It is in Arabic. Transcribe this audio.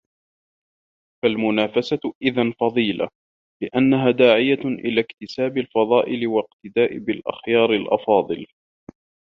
فَالْمُنَافَسَةُ إذًا فَضِيلَةٌ ؛ لِأَنَّهَا دَاعِيَةٌ إلَى اكْتِسَابِ الْفَضَائِلِ وَالِاقْتِدَاءِ بِأَخْيَارِ الْأَفَاضِلِ